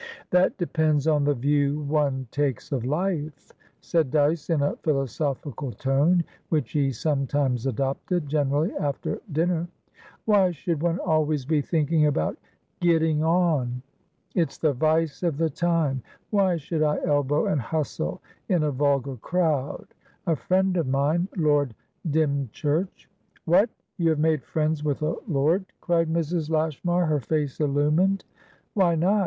"That depends on the view one takes of life," said Dyce, in a philosophical tone which he sometimes adoptedgenerally after dinner. "Why should one always be thinking about 'getting on?' It's the vice of the time. Why should I elbow and hustle in a vulgar crowd? A friend of mine, Lord Dymchurch" "What! You have made friends with a lord?" cried Mrs. Lashmar, her face illumined. "Why not?